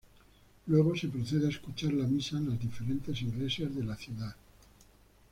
Luego se procede a escuchar la misa en las diferentes iglesias de la ciudad.